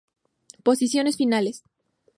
Posiciones Finales.